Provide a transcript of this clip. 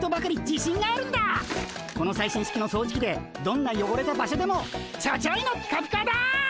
この最新式の掃除機でどんなよごれた場所でもちょちょいのピカピカだ！